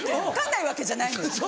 分かんないわけじゃないのよ。